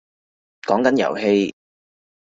講緊遊戲